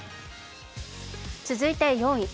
続いて４位。